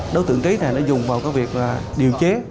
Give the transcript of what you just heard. đối tượng trí này đã dùng vào việc điều chế